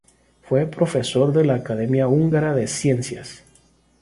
Fue profesor de la Academia Húngara de Ciencias.